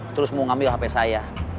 terus mau ngambil hp saya